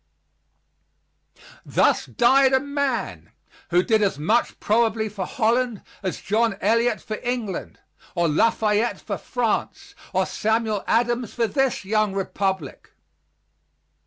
Thus died a man who did as much probably for Holland as John Eliot for England, or Lafayette for France, or Samuel Adams for this young republic.